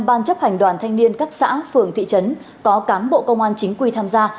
một trăm linh ban chấp hành đoàn thanh niên các xã phường thị trấn có cán bộ công an chính quy tham gia